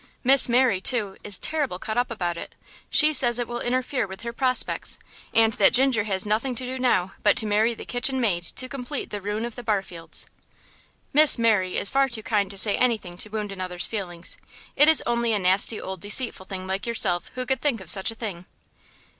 Miss Mary, too, is terrible cut up about it; she says it will interfere with her prospects, and that Ginger has nothing to do now but to marry the kitchen maid to complete the ruin of the Barfields." "Miss Mary is far too kind to say anything to wound another's feelings. It is only a nasty old deceitful thing like yourself who could think of such a thing."